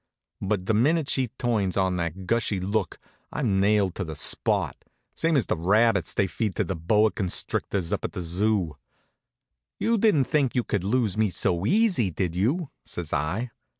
But the minute she turns on that gushy look I'm nailed to the spot, same as the rabbits they feed to the boa constrictors up at the Zoo. "You didn't think you could lose me so easy, did you?" says I.